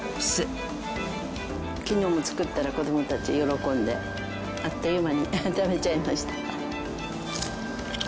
昨日も作ったら子供たち喜んであっという間に食べちゃいました。